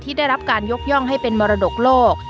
ได้รับการยกย่องให้เป็นมรดกโลก